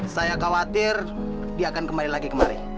saya khawatir dia akan kembali lagi kemarin